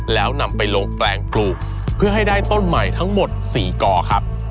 แล้วนำไปลงแปลงปลูกเพื่อให้ได้ต้นใหม่ทั้งหมด๔ก่อครับ